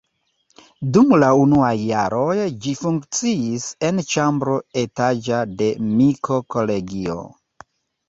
Dum la unuaj jaroj ĝi funkciis en ĉambro etaĝa de Miko-kolegio.